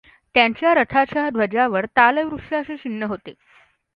त्यांच्या रथाच्या ध्वजावर तालवृक्षाचे चिन्ह होते.